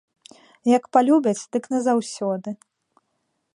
Як палюбяць, дык назаўсёды.